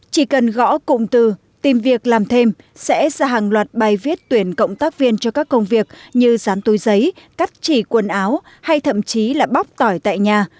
chỉ cần gõ cụm từ tìm việc làm thêm sẽ ra hàng loạt bài viết tuyển cộng tác viên cho các công việc như dán túi giấy cắt chỉ quần áo hay thậm chí là bóc tỏi tại nhà